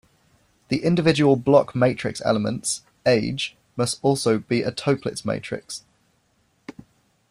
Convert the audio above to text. The individual block matrix elements, Aij, must also be a Toeplitz matrix.